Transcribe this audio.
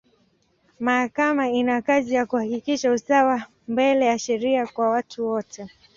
Mahakama ina kazi ya kuhakikisha usawa mbele ya sheria kwa watu wote.